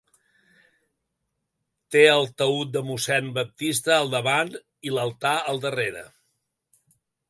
Té el taüt de mossèn Baptista al davant i l'altar al darrere.